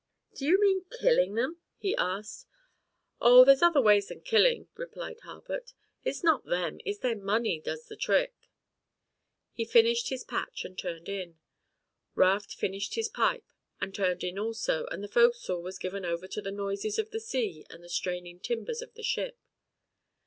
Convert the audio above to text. "Do you mean killing them?" he asked. "Oh, there's other ways than killin'," replied Harbutt. "It's not them, it's their money does the trick." He finished his patch and turned in. Raft finished his pipe and turned in also and the fo'c'sle was given over to the noises of the sea and the straining timbers of the ship.